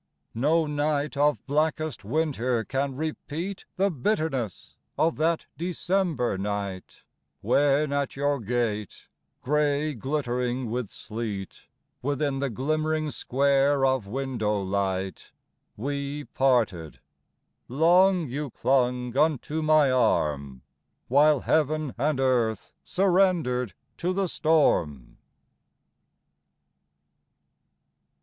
No night of blackest winter can repeat The bitterness of that December night, When at your gate, gray glittering with sleet, Within the glimmering square of window light, We parted, long you clung unto my arm, While heaven and earth surrendered to the storm.